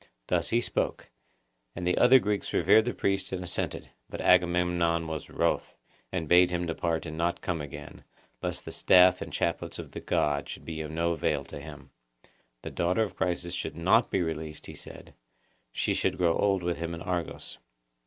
Thus he spoke, and the other Greeks revered the priest and assented. But Agamemnon was wroth, and bade him depart and not come again, lest the staff and chaplets of the God should be of no avail to him—the daughter of Chryses should not be released, he said—she should grow old with him in Argos.